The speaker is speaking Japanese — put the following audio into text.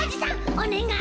おねがい。